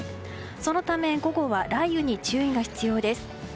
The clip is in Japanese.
そのため、午後は雷雨に注意が必要です。